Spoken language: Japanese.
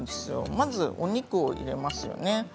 まずお肉を入れますよね。